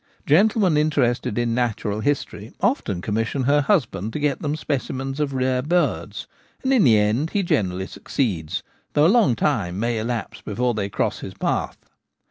Gentlemen interested in natural history often commission her husband to get them specimens of rare birds ; and in the end he generally succeeds, though a long time may elapse before they cross his path.